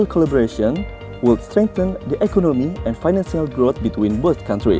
oleh itu kolaborasi berkumpul akan memperkuat kembang ekonomi dan finansial antara kedua negara